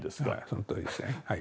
そのとおりですねはい。